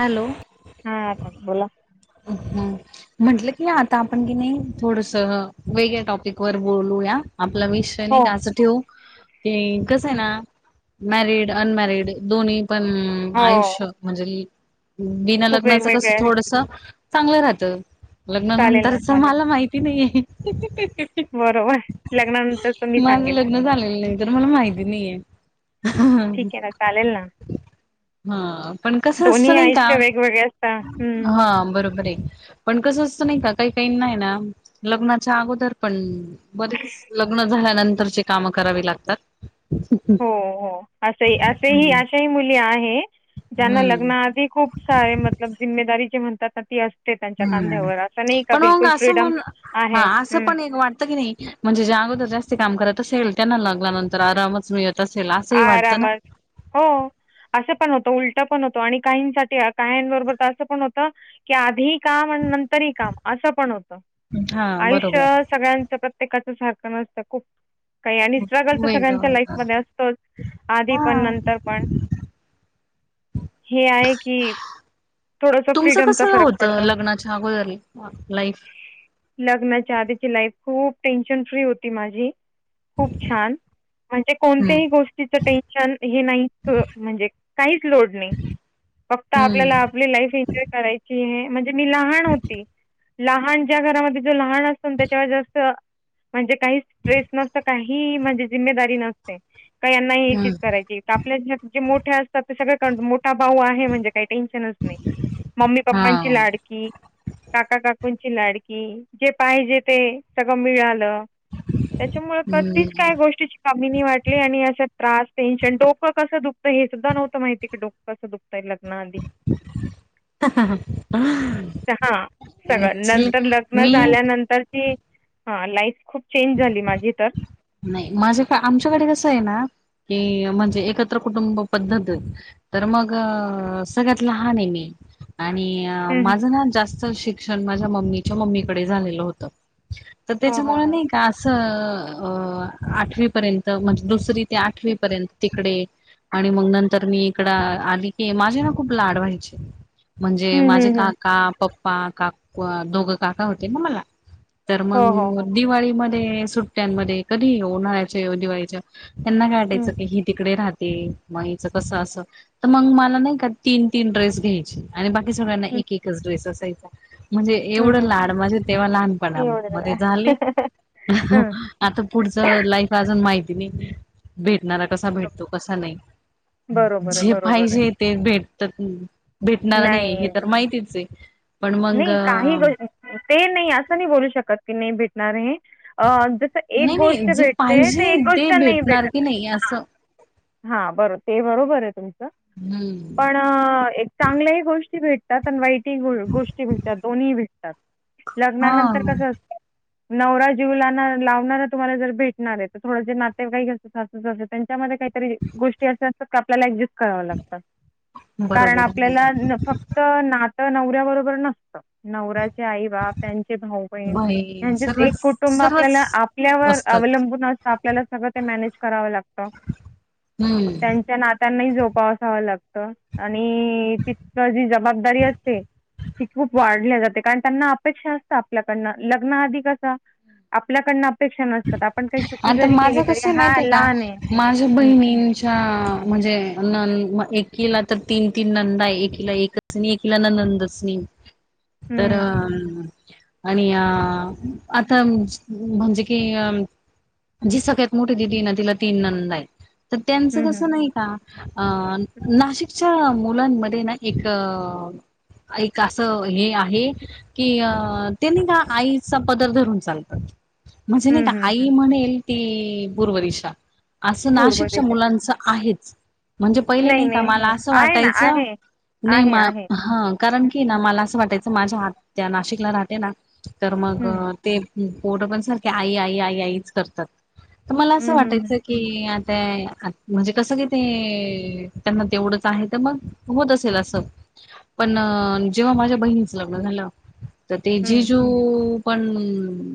Hello हा आता बोला अ हा म्हंटलं की आता आपण की नाही थोडस वेगळ्या टॉपिक वर बोलू या आपला विष त्यांनी हो त्यासाठी ठेवू ते कस आहे ना मॅरिड अनमॅरिड दोन्ही पण हो आयुष्य म्हणजे बीना खूप लग्नाच कस वेगवेगळे आहेत. थोडस चांगलं राहत चालेल ना लग्नानंतरच चालेल मला माहिती नाही आहे बरोबर लग्नानंतरचं मी माझं सांगेल लग्न झालेलं नाही तर मला माहिती नाही आहेे ठीक आहे ना चालेल ना ह पण कस असत दोन्ही नाही आयुष्य काम वेगवेगळे असतं हा बरोबर बरे पण कसं असतं नाही का काही काही नाही ना लग्नाच्या अगोदर पण बरेच लग्न झाल्यानंतरची कामं करावी लागतात. हो हो असं असेही अशा ही मुली आहेत त्यांना हम्म. लग्नाआधी खूप सारे मतलब जिम्मेदारी जे म्हणतात ना ती असते त्यांच्या हम्म खांद्यावर असं नाही का पण मग बिलकुल असं फ्रीडम म्हणून हा आहे असं हं. पण एक वाटतं की नाही म्हणजे ज्या अगोदर जास्त काम कररात असेल त्यांना लागल्यानंतर आरामच मिळत असेल असंही वाटतं ना. आरामात हो असं पण होतं उलट पण होतं आणि काहींसाठी काही्यांबरोबर तर असं पण होत की आधीही काम आणि नंतरही काम असं पण होतं हा आयुष्य बरोबर. सगळ्यांच प्रत्येकाचं सारखं नसतं खूप काही आणि स्ट्रगल तर वेगळं सगळ्यांच्या वेगळं लाईफ मध्ये असतोच आधी पण हा नंतर पण हे आहे की थोडंसं तुमचं फ्रीडमचा कसं हे फरक होतं पडतो. लग्नाच्या अगोदर लाईफ लग्नाच्या आधीची लाईफ खूप टेन्शन फ्री होती माझी खूप छान म्हणजे हम्म. कोणतेही गोष्टी टेंशन हो काही च् लोड नाही हम्म आपली लाइफ एन्जॉय करायची म्हणजे मी लहान होती लहान ज्या घरामध्ये जो लहान असतो ना त्याच्यावर जास्त म्हणजे काही स्ट्रेस नसत काही म्हणजे जिम्मेदारी नसते का यांनाहीचीज हम्म करायची आपल्या जे मोठे असतात ते सगळे भाऊ आहे म्हणजे काही टेन्शनच नाही मम्मी हा पप्पांची लाड कि काकाकाकूंची लाडकी जे पाहिजे ते सगळं मिळालं त्याच्यामुळे कधीच हम्म. काय गोष्टीची कमी नाही वाटली आणि आज च्यात त्रास टेन्शन डोकं कसं दुखतं हे सुद्धा नव्हतं माहिती का डोक कसं दुखतंय लग्ना आधी तर हां [unintelligible] सगळं अक्चुली मी हा लाईफ खूप चेंज झाली माझी तर नाही माझे आमच्याकडे कसं आहे ना की म्हणजे एकत्र कुटुंब पद्धत तर मग सगळ्यात लहान आहे मी आणि अह हं, हं. माझं ना जास्त शिक्षण माझ्या मम्मीच्या मम्मीकडे झालेलं होत तर हो हो त्याच्यामुळे हो नाही का असं अह आठवीपर्यंत तर म्हणजे दुसरी ते आठवी पर्यंत तिकडे आणि मग नंतर मी इकड आली की माझे ना खूप लाड व्हायचे म्हणजे हं, माझे हं, हं. का का पप्पा काक दोघं काका होते मला तर हो हो मग हो दिवाळीमध्ये सुट्ट्यांमध्ये कधी उन्हाळ्याच्या येऊ दिवाळीच्या त्यांना काय हं, वाटायचं की ही तिकडे राहते मग हीच कस अस तर मग मला नाही का तीन तीन ड्रेस घ्यायचे आणि बाक ते सगळ्यांना हं, एक एकच ड्रेस असयचा म्हणजे हं, एवढं हं. लाड माझे तेव्हा एवढं लहानपणामध्ये आहे. झाले. हं. आता पुढच लाईफ अजून माहिती नाही भेटणारा कसा भेटतो कसा नाही बरोबर आहे, जे बरोबर आहे. पाहिजे ते भेटत भेटणार नाही हे तर माहितीच आहे. पण मग नाही काही ग ते नाही असं नाही बोलू शकत की नाही भेटणार आहे, जस एक नाही नाही गोष्ट जे भेटते पाहिजे तर एक ते गोष्ट नाही भेटणार भेटत. की नाही हा. असं. हा बरो ते बरोबर आहे तुम हम्म. तर एक चांगल्याही गोष्टी भेटतात आणि वाईटही गोष्टी भेटतात दोन्हीही भेटतात हा लग्नानंतर कसं असत नवरा जीव लाणार लावणारा तुम्हाला जर भेटणार आहे तर थोडसे नातेवाईक सासू सासरे त्यांच्यामध्ये काहीतरी गोष्टी अशा असतात की आपल्याला एडज करावे लागत कारण बरोबर आहे आपल्याला फक्त नातं नवऱ्या बरोबर नसतं. नवऱ्याचे आई बाप, त्यांचे भाऊ बहिण बाई म्हणजेच एक सर्वच कुटुंब सर्वच आपल्याला आपल्यावर असतात. अवलंबून असत आपल्याला सगळं ते मॅनेज करावं लागतं. हम्म. त्यांनाही झोपासाव लागतं आणि तिथक जी जबाबदारी असते खूप वाढली जाते कारण त्यांना अपेक्षा असत आपल्याकडनं लग्न आधी कस आपल्याकडन अपेक्षा नसतात आपण काही चुकी आता जरी केली माझं तरी कसं आहे हा माहितीय का? लहान आहे. माझ्या हं, बहिणींच्या म्हणजे न एकीला तर तीन तीन नंदा आहे एकीला एकच नी ये किलान नंदसनी तर हं, आणि अह आता म्हणजे की अम जी सगळ्यात मोठी दिदी हाय ना तिला तीन नंदा आहेत. तर त्यांचं हं, हं, कसं नाही का अह नाशिकच्या मुलांमध्ये ना एक एक असं हे आहे कि ते नाही का आईचा पदर धरून चालतात. म्हणजे नाही हं, का हं, हं. आई म्हणेल ती पूर्व दिशा. असं पूर्व नाशिकच्या दिशा. मुलांचं आहेच. म्हणजे पहिले नाही का मला हे असं आहे ना, वाटायचं आहे. नाही म आहे, आहे. हा कारण की ना मला असं वाटायचं, माझ्या आत्या नाशिकला राहते ना तर मग हं, ते पोटं पण सारखे आई आई आई आईच करतात. तर मला असं हं, हं, वाटायचं हं, की आता. म्हणजे कसं कि ते त्यांना तेवढंच आहे, तर मग होत असेल असं. पण जेव्हा माझ्या बहिणीच लग्न झालं. तर तेजी हं, जो पण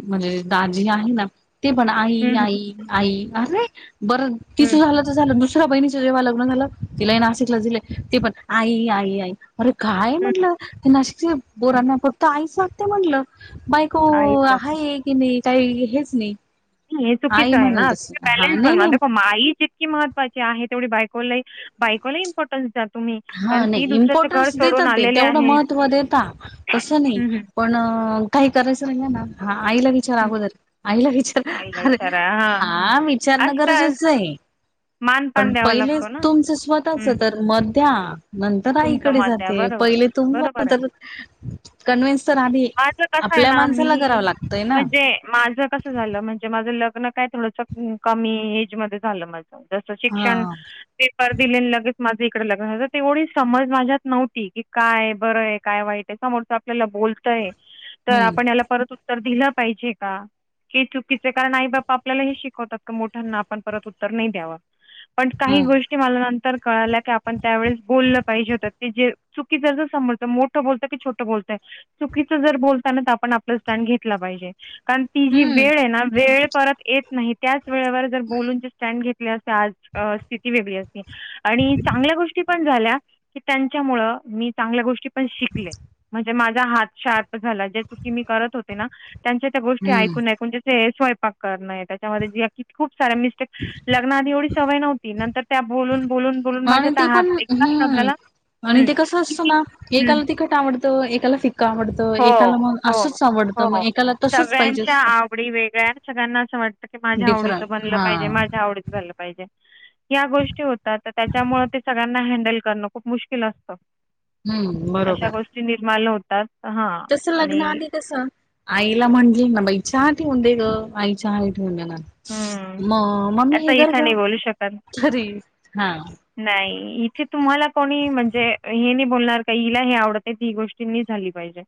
म्हणजे दाजी आहे ना. ते पण आई हं, हं, आई आई अर रे बरं तिच हं, झालं. झा दुसऱ्या बहिणीच जेव्हा लग्न झालं, तिलाही नाशिकला दिले ते पण आई आई आई. अरे काय हं, म्हणलं ते नाशिकचे हं. बोरण्या पुरत आईचगते म्हणलं बाय. हो आईच लागते. आहे की नाही काही हेच नाही. नाही हे चुकीच आई आहे, म्हणल ना तस हा बॅलेन्स नाही नाही बनवा माई जितकी महत्वाची आहे, तेवढी बायक बाईकला इमपोर्टन्स द्या तुमही. हा नाही इम्पॉर्टन्स देतात ते तेवढं महत्त्व देेत तसं नाही. हं, हं, पण काही करायचं नाही ना हा आईला वि विचार हं. अगोदर आईला विचार आईला अरे विचारा हां, हा विचारणं असतं. गरजेचं आहे. मानपान पण द्यावा पहिले लागतो ना. तुमचं स्वतःच हं. तर मध्या. नंतर तुमचं आईकडे मत द्या जाते बरोबर पहिले तुम बरोबर आहे तर कन्व्हन्स तर आली कस आहे ना मी म्हणजे माझ कस झालं म्हणजे माझं लग्न काय, थोडस कमी एज मध्ये झालं माझ जस हा शिक्षण पेपर दिले लगेच, माझं इकडे लगन ते ओढच समज माझ्यात नव्हती की काय बरं आहे, काय वाईट आहे समोरच आपल्याला बोलतय. तर हम्म आपण याला परत उत्तर दिलं पाहिजे का? हे चुकीचे कारण आई बा् आपल्याला हे शिकवतात, का मोठ्यांना आपण परत उत्तर नाही द्यावं. पण हा काही गोष्टी मला नंतर कळाल्या आपण त्यावेळे बोलल. पाहिजे होतात ते जे चुकीच समोजत मोठं बोलत की छोटं बोलतय. चुकीच जर बोलताना आपण आपलं स्टँड घेतला पाहिजे. कारण ती जी हम्म वेळ आहे ना वेळ परत येत नाही, त्याच वेळेवर जर बोलूनचे स्टँड घेत. आज स्थिती वेगळी असती आणि चांगल्या गोष्टी पण झाल्या. की त्यांच्यामुळ मी चांगल्या गोष्टी पण शिकले म्हणजे माझा हात शार्प झा ज्या चुकी मी करत होते ना त्यांच्या त्या गोष्टी हम्म ऐकूनऐून स्वयंपाक करणं आहे त्याच्यामध्ये ज खूप साारे मिस्टेक लग्ना आधी एवढी सवय नव्हती नंतर त्या बोलून बोलून बोलून आणि माझ्यात ते पण आहात एकाच हम्म शब्दाला. आणि ते कसं असतं ना की एकाला तिखट आवडतं एकाला फिक्का आवडतं. हो एकाला मग हो असंच आवडतं हो मग एकाला तसच पाहिजे सगळ्यांच्या असतं आवडी वेगळ्या सगळ्यांना असं वाटत. माझ्या आवडीचं डिफरंट बनलं हा पाहिजे माझ्या आवडीत झालं. या गोष्टी होतात तर त्याच्यामुळे, ते सगळ्यांना हँडल करणं खूप मुश्किल असतं. हम्म बरोबर. निर्माल होतात. हां जस लग्न आणि आली तस. आईला म्हंटले ना बाई चहा ठेवून दे ग आई चहा ठेवून दे ना. हं. मग मगमी हे असं कर इथं ग नाही बोलू शकत. खरी हा. नाही इथे तुम्हाला कोणी म्हणजे हे नाही, बोलणार का हला हे आवडते ती गोष्टी झाली पाहिजे.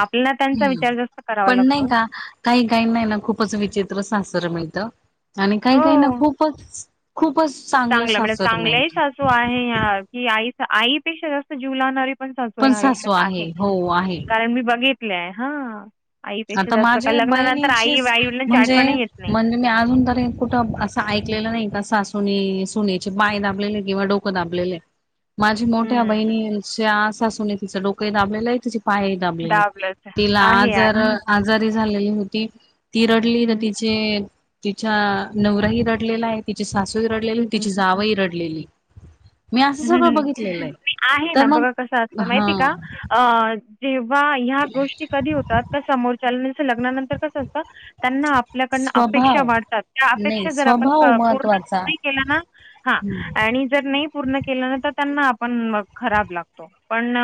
आपल्याला त्यांचा हम्म विचार जास्त करावा पण नाही लागतो. का काही काही नाही ना खूपच विचित्र सासरं मिळत. आणि काही काही ना हो. खूपच खूपच चांगलं सासर मिळत. नाही या [unintelligible] की आई आईपेक्षा जास्त जीव लाहणारी पण सजू या सासू आयुष्यात आहे, हो आहे कारण मी बघित हा आईपेक्षा आता जास्त का माझे लग्नानंतर आई बहिणीचीच आई वडलांची म्हणजे आठवण येत नाही. म्हणजे मी अजून तरी कुठं असं ऐकलेलं नाही का सासुने सुनेचे बाय दाबलेले किंवा डोकं दाबलेले. माझी मोठ्या हं. बहिणींच्या सासुून तिचं डोकं दाबलेलं आहे तिची पाय दाबलेले दाबलंच तिला आहे, जर आहे. आजारी झाली होती ती रडली. हं, हं. त तिच्या नवराही रडलेला आहे तिची सासू हं. रडलेली तिची जावई रडलेली. मी असं सगळं हम् बघितलेलं आहे तर ना मग बघा कसं असतं हा माहिती का अ जेव्हा ह्या गोष्टी कधी होतात का समोरच्याल लग्नानंतर कसं असतं त्यांना आपल्याकडन अपेक्षा स्वभाव वाढतात त्या नाही अपेक्षा जर आपण स्वभाव पूर्ण महत्त्वाचा. नाही केल्या ना हा हम्म आणि जर नाही पूर्ण केलं ना तर त्यांना आपण खराब लागतो. पण,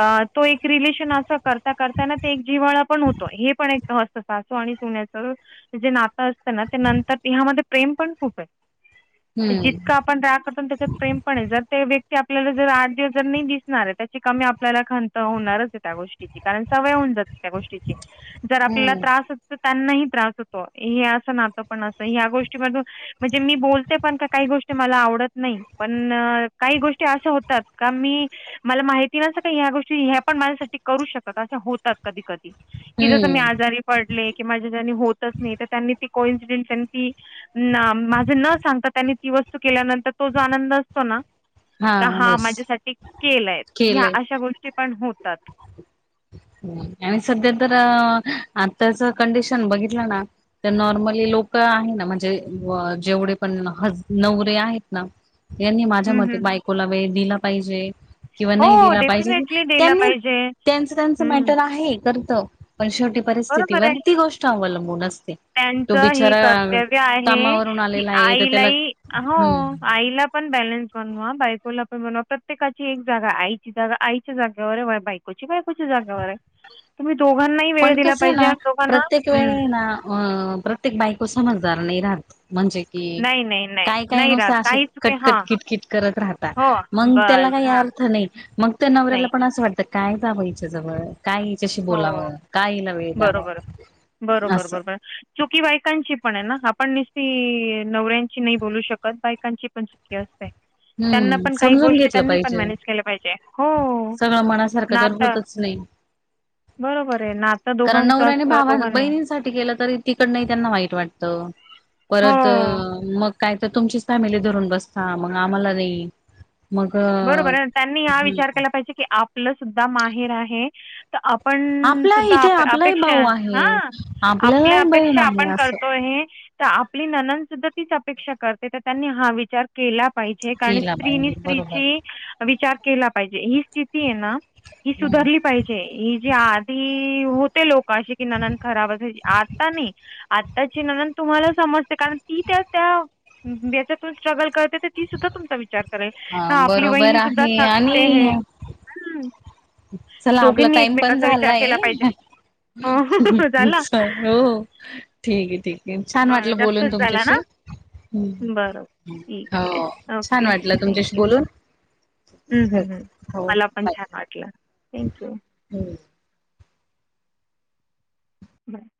अ तो एक रिलेशन असं करता करताना ते एक जिवाळा पण होतो हे पण एक हत अस असो आणि सुन े ना असत ना नंतरमध्ये प्रेम पण खूप हाय. हम्म पण रा कस त्याच्यत प्रेमपणे जर ते व्यक्ती आपल्याला जर आठ दिवस जर नाही दिसणार आहे त्याची कमी आपल्याला खा होणार त्या गोष्टी कारण सवय होऊन जात त्या गोष्टीर आपल्याला हम्म त्र तर त्यांनाही त्रास होतो हे असं नातं पण असं ह्या गोष्टीमधून म्हणजे मी बोलते पण का काही गोष्ट मला आवडत नाही. पण काही गोष्टी अशा होतात का मी मला माहिती नसं का ह्या गोष्टी ह्या पण माझ्यासाठी करू शकत अे होतात कधी कधी कि जस मी हम्म आजारी पडले कि माझ्या ज्यांनी होतच नाही तर त्यांनी ती कोइन्सिडेंट ती ना माझं न सांगता त्यांनी ती वस्तू केल्यानंतर तो जो आनंद असतो णा. का हा माझ्या साठी केलंय ह्या केलंय. आश्या गोष्टी चे पण होतात. आणि सध्या तर आताच कंडिशन बघितलं ना. तर नॉर्मली लोक आहे ना म्हणजे जेवढे पण हज नवरे आहेत ना. यांनी माझ्या हं, मते हं. बायकोला वेळ दिला पाहिजे किंवा नाही हो, दिला पाहिजे डेफिनेटली दिलं त्यांनी पाहिजे. त्यांचं त्यांचं हं, मॅटर आहे करतं पण शेवटी बरोबर परिस्थितीवर आहे. ती गोष्ट अवलंबून असते. तो त्यांचं हे बिचारा कर्तव्य आहे कामावरून की आलेला आहे तर त्याला आईलाही हो हम्म आईला पण बॅलन्स बनवा बायकोला पण बनवा प्रत्येकाची एक जागा आईची जागा आईच्या जागेवर बाईक कुची बायकोच्या जाग्यावर हाय. [inaudible] तुम्ही दोघांनाही वे पण दिला कसं ना आणि दोघांना प्रत्येक हं. वेळे ना अ प्रत्येक बायको समजदार नाही राहत म्हणजे कि नाही, नाही, नाही, काय काही नाही नुस राहत. असे काही चुकी कटकट हां, किटकिट करत राहता हो, मग त्याला बस काही हां. अर्थ नाही. मग तर नवऱ्याला नाही. पण असं वाटतं काय जावं याच्याजवळ काय याच्याशी बोलावं हो. काय हिला वेळ द्यावा बरोबर बरोबर असं बरोबर. चुक्की बायकांची पण आहे आपण न नवऱ्यांची नाही बोलू शकत बायकांची पण त्यांना हम्म पण काही समजून गोष्टी घेतलं त्यांनी पण पाहिजे मॅनेज केल्या पाहिजे. हो. सगळं म्हनासारखं तर नातं होतच नाही. बरोबर आहे नात दोघांच असतं दोघांने गलं तरी तिकड नाही त्यांना वाईट वाटत परत हो. मग काही तर तुमचीच फॅमिली धरून बसता मग आम्हाला देई मग बरोबर आहे. त्यांनी या विचार केला पाहिजे की आपलं सुद्धा माहेर आहे. तर आपण आपला सुद्धा इथे आपलाही अपेक्षा भाऊ आहे. हा आपल्या आपल्यालाही बहीण अपेक्षा आहे आपण असं करतो हे तर आपली ननन सुद्धा तीच अपेक्षा करते तर त्यांनी हा विचार केला पाहिजे कारण केला स्त्रीनी पाहिजे बरोबर स्त्रीची विचार केला पाहिजे ही स्थिती आहे ना ही हम्म. सुधारली पाहिजे ही जी आधी हो. ते लोक अशी कि न खराब असायची आता नाही. आत्ताची नंदन तुम्हाला समजते कारण ती त्या त्या्यासातून स्ट्रगल करते. ती सुद्धा तुमचा विचार करेल हा का आपली बरोबर वहिणी सुद्धा आहे कते आणि ह चला आपला टाइम पण झालाय. पाहिजे अं, झाला हो ठीक आहे ठीक. छान बरं वाटलं बोलून जास्तच झाला ना तुमच्याशी. बरं ठीक हो आहे छान ओके वाटलं तुमच्याशी थँक्यू बोलून. ठेवते हो मला पण छान वाटलं थँंक्यू. हम् [unintelligible]